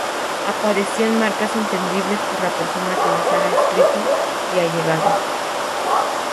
aparecían marcas entendibles por la persona que las ha escrito y allegados